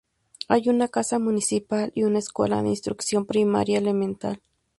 Hay una casa municipal y una escuela de instrucción primaria elemental.